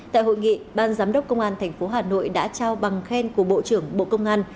tại hội nghị ban giám đốc công an tp hà nội đã trao bằng khen của bộ trưởng bộ công an